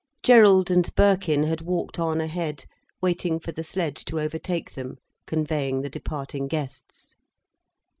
Gerald and Birkin had walked on ahead, waiting for the sledge to overtake them, conveying the departing guests.